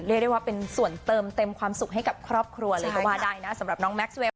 เรียกได้ว่าเป็นส่วนเติมเต็มความสุขให้กับครอบครัวเลยก็ว่าได้นะสำหรับน้องแม็กซเวฟ